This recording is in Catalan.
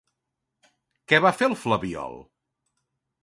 Què va fer el flabiol?